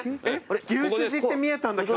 牛すじって見えたんだけど。